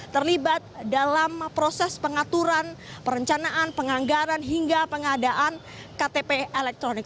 terlibat dalam proses pengaturan perencanaan penganggaran hingga pengadaan ktp elektronik